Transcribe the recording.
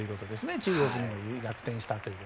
中国に逆転したと。